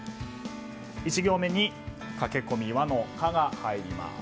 １行目に駆け込みは？の「カ」が入ります。